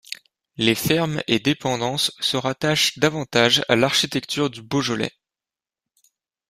Les fermes et dépendances se rattachent davantage à l'architecture du Beaujolais.